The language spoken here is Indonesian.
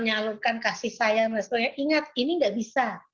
mengatakan bahwa untuk menyalurkan kasih sayang ingat ini gak bisa